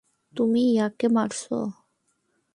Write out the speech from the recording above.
তুমি ইয়ার্কি মারছ।